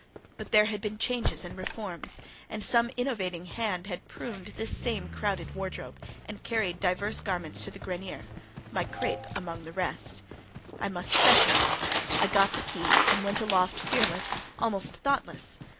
But there had been changes and reforms, and some innovating hand had pruned this same crowded wardrobe, and carried divers garments to the grenier—my crape amongst the rest. I must fetch it. I got the key, and went aloft fearless, almost thoughtless.